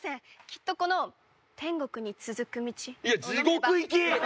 きっとこの天国に続く道地獄行き！